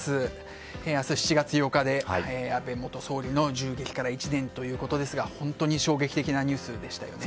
明日、７月８日で安倍元総理の銃撃から１年ですが本当に衝撃的なニュースでしたよね。